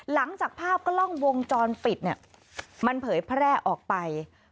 หลังจากภาพกล้องวงจรปิดเนี่ยมันเผยแพร่ออกไป